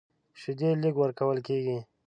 شیدې لږ ورکول کېږي.